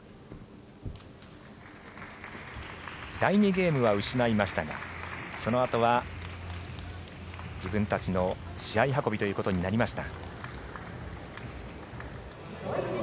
第２ゲームは失いましたがそのあとは自分たちの試合運びということになりました。